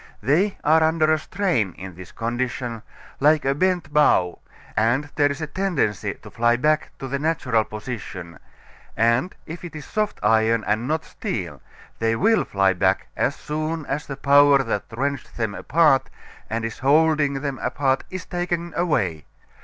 They are under a strain in this condition, like a bent bow, and there is a tendency to fly back to the natural position, and if it is soft iron and not steel, they will fly back as soon as the power that wrenched them apart and is holding them apart is taken away.